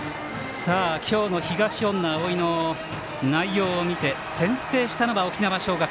今日の東恩納蒼の内容を見て先制したのは沖縄尚学。